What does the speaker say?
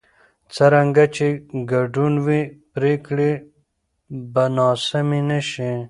څرنګه چې ګډون وي، پرېکړې به ناسمې نه شي.